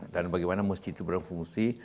dan bagaimana masjid itu berfungsi